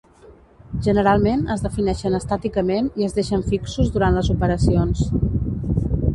Generalment es defineixen estàticament i es deixen fixos durant les operacions.